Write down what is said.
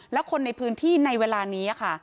แล้วคนในพื้นที่ในเวลานี้ค่ะ